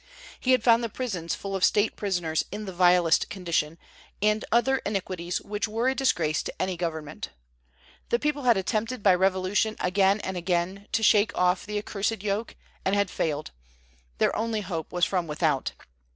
He had found the prisons full of state prisoners in the vilest condition, and other iniquities which were a disgrace to any government. The people had attempted by revolution again and again to shake off the accursed yoke, and had failed. Their only hope was from without.